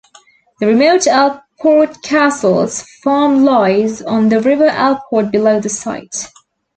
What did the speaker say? The remote Alport Castles Farm lies on the River Alport below the site.